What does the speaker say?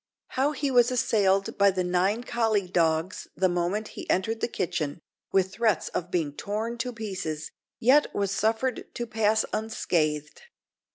How he was assailed by the nine collie dogs the moment he entered the kitchen, with threats of being torn to pieces, yet was suffered to pass unscathed.